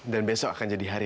dan besok akan jadi hari